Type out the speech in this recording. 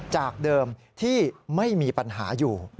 จากเดิมที่ไม่มีปัญหาอยู่